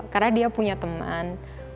karena dia punya teman